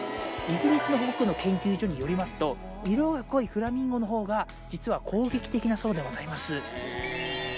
イギリスの北部の研究所によりますと色が濃いフラミンゴのほうが実は攻撃的だそうでございます。